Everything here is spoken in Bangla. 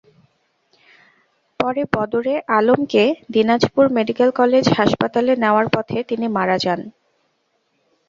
পরে বদরে আলমকে দিনাজপুর মেডিকেল কলেজ হাসপাতালে নেওয়ার পথে তিনি মারা যান।